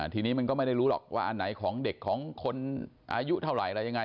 ทีนี้มันก็ไม่ได้รู้หรอกว่าอันไหนของเด็กของคนอายุเท่าไหร่อะไรยังไง